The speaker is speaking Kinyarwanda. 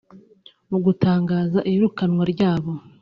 Mu gutangaza iyirukanwa ryabo